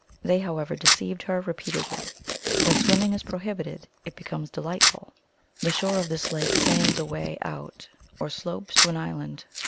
They, however, deceived her repeatedly. When swimming is prohibited it becomes delightful. The shore of this lake sands away out or slopes to an island.